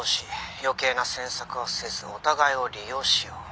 「余計な詮索はせずお互いを利用しよう」